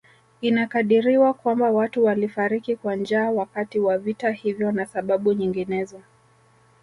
Inakadiriwa kwamba watu walifariki kwa njaa wakati wa vita hivyo na sababu nyinginezo